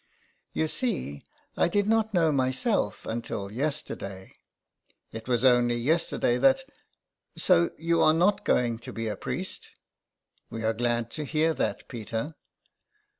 You see, I did not know myself until yesterday. It was only yesterday that " 130 THE EXILE. " So you are not going to be a priest ? We are glad to hear that, Peter.''